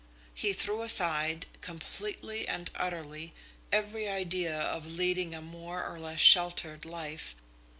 He threw aside, completely and utterly, every idea of leading a more or less sheltered life.